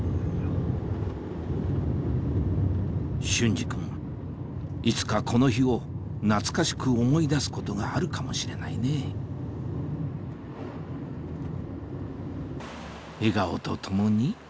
隼司君いつかこの日を懐かしく思い出すことがあるかもしれないね笑顔とともに？